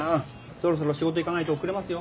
そろそろ仕事行かないと遅れますよ。